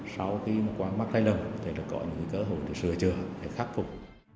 sau khi quang mắc thay lầm có những cơ hội được sửa chữa để khắc phục